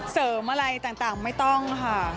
เสริมอะไรต่างไม่ต้องค่ะ